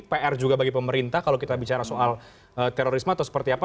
pr juga bagi pemerintah kalau kita bicara soal terorisme atau seperti apa